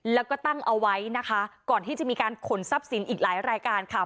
แล้วก็ตั้งเอาไว้นะคะก่อนที่จะมีการขนทรัพย์สินอีกหลายรายการค่ะ